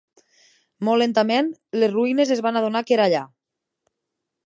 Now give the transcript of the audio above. Molt lentament, les ruïnes es va adonar que era allà.